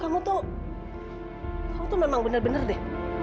kamu tuh kamu tuh memang bener bener deh